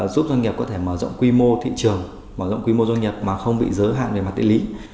giúp doanh nghiệp có thể mở rộng quy mô thị trường mở rộng quy mô doanh nghiệp mà không bị giới hạn về mặt địa lý